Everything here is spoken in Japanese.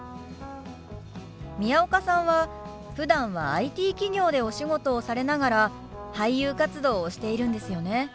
宮岡さんはふだんはＩＴ企業でお仕事をされながら俳優活動をしているんですよね。